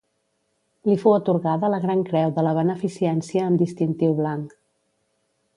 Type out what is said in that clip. Li fou atorgada la Gran Creu de la Beneficència amb distintiu blanc.